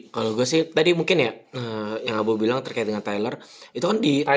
kalau gue sih tadi mungkin ya yang abu bilang terkait dengan tyler itu kan di awal